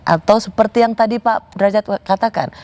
atau seperti yang tadi pak derajat katakan